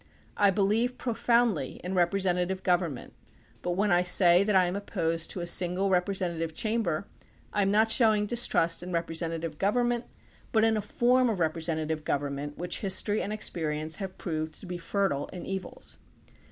I believe profoundly in representative govern ment, but when I say that I am opposed to a single representative chamber, I am not showing distrust in representative government, but in a form of representa tive government which history and experience have proved to be fertile in evils.